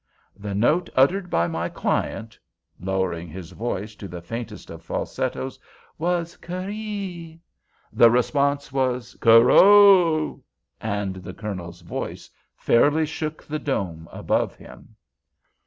The note uttered by my client" (lowering his voice to the faintest of falsettos) "was 'Kerree'; the response was 'Kerrow'"—and the Colonel's voice fairly shook the dome above him.